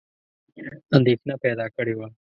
اندېښنه پیدا کړې وه.